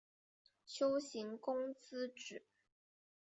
丘行恭之子。